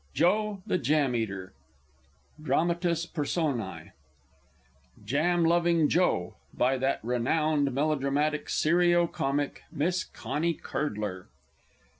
JOE, THE JAM EATER. DRAMATIS PERSONÆ. Jam Loving Joe. By that renowned Melodramatic Serio Comic, Miss CONNIE CURDLER.